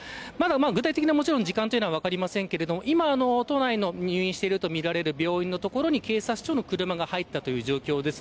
具体的な時間は分かりませんが都内に入院しているとみられる病院に警察署の車が入ったという状況です。